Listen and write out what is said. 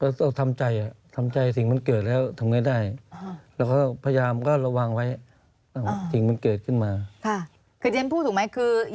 ก็ต้องทำใจทำใจสิ่งมันเกิดแล้วทำอย่างไรได้